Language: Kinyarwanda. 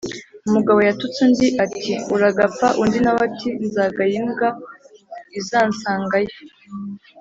Umugabo yatutse undi ati uragapfa undi nawe ati nzagaya imwba izansangayo.